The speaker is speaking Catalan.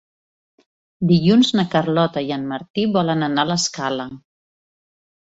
Dilluns na Carlota i en Martí volen anar a l'Escala.